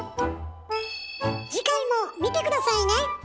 次回も見て下さいね！